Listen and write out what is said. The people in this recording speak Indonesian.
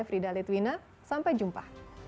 frida litwina sampai jumpa